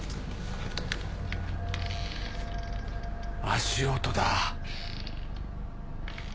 足音だ。